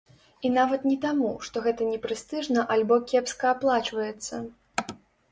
І нават не таму, што гэта не прэстыжна альбо кепска аплачваецца.